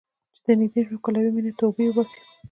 چې درنږدې شم ښکلوې مې نه ، توبې وباسې